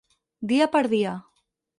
Dia per dia.